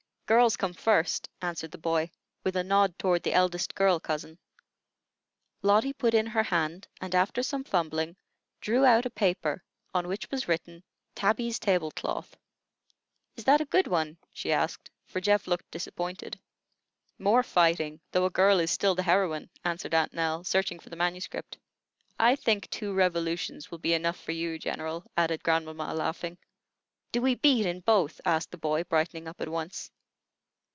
"Girls come first," answered the boy, with a nod toward the eldest girl cousin. Lotty put in her hand and, after some fumbling, drew out a paper on which was written, "Tabby's Table cloth." "Is that a good one?" she asked, for Geoff looked disappointed. "More fighting, though a girl is still the heroine," answered Aunt Nell, searching for the manuscript. "I think two revolutions will be enough for you, General," added grandmamma, laughing. "Do we beat in both?" asked the boy, brightening up at once.